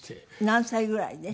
何歳ぐらいで？